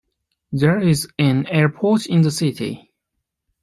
There is an airport in the city.